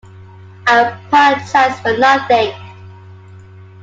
I apologize for nothing.